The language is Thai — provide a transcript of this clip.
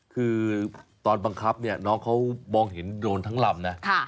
คือตอนบังคับเนี่ยน้องเขามองเห็นโดนทั้งลำนะ